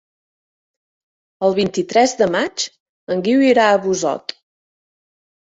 El vint-i-tres de maig en Guiu irà a Busot.